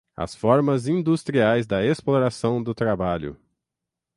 às formas industriais da exploração do trabalho